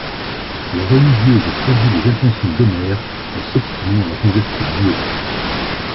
La religieuse servit les intentions d'Omer en s'obstinant à la convertir mieux.